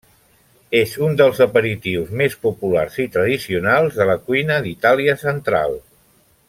És un dels aperitius més populars i tradicionals de la cuina d’Itàlia central.